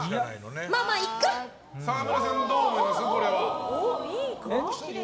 沢村さん、どう思います？